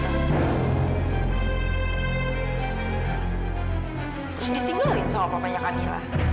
terus ditinggalin sama papanya kamila